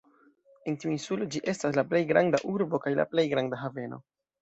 En tiu insulo ĝi estas la plej granda urbo kaj la plej granda haveno.